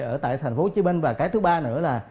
ở tại thành phố hồ chí minh và cái thứ ba nữa là